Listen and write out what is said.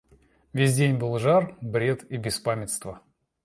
Весь день был жар, бред и беспамятство.